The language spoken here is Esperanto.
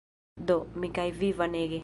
Do, mi kaj vi Vanege